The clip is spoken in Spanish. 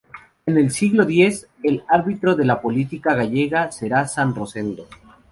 En el siglo X, el árbitro de la política gallega será San Rosendo.